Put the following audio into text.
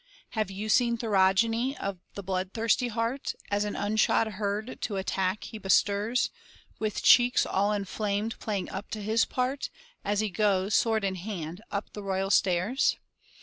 Have you seen Théroigne, of the blood thirsty heart, As an unshod herd to attack he bestirs, With cheeks all inflamed, playing up to his part, As he goes, sword in hand, up the royal stairs?